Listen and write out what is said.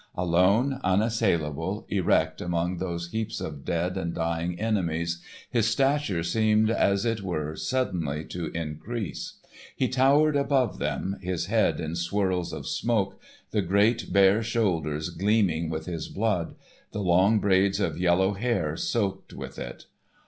Alone, unassailable, erect among those heaps of dead and dying enemies, his stature seemed as it were suddenly to increase. He towered above them, his head in swirls of smoke, the great bare shoulders gleaming with his blood, the long braids of yellow hair soaked with it.